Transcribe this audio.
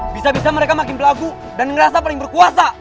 bisa bisa mereka makin pelaku dan ngerasa paling berkuasa